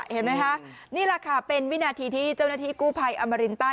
เห็นไหมคะนี่แหละค่ะเป็นวินาทีที่เจ้าหน้าที่กู้ภัยอมรินใต้